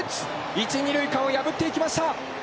一・二塁間を破っていきました。